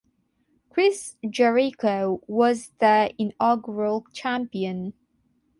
Chris Jericho was the inaugural champion.